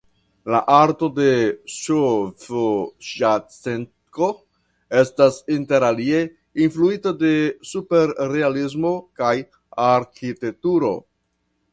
La arto de Svjatĉenko estas interalie influita de superrealismo kaj arĥitekturo.